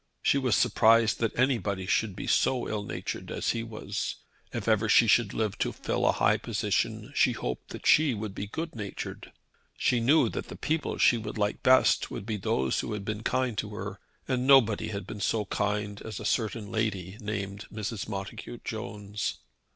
She was surprised that anybody should be so ill natured as he was. If ever she should live to fill a high position she hoped she would be good natured. She knew that the people she would like best would be those who had been kind to her, and nobody had been so kind as a certain lady named Mrs. Montacute Jones.